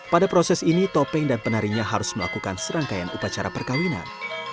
pada proses ini topeng dan penarinya harus melakukan serangkaian upacara perkawinan